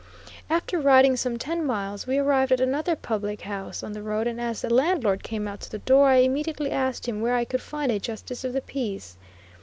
After riding some ten miles we arrived at another public house on the road, and as the landlord come out to the door I immediately asked him where I could find a justice of the peace?